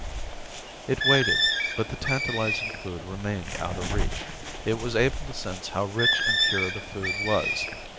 It waited, but the tantalizing food remained out of reach. It was able to sense how rich and pure the food was.